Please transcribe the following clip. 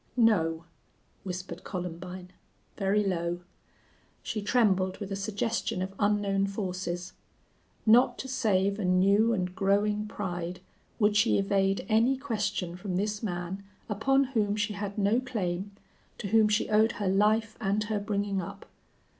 "No!" whispered Columbine, very low. She trembled with a suggestion of unknown forces. Not to save a new and growing pride would she evade any question from this man upon whom she had no claim, to whom she owed her life and her bringing up.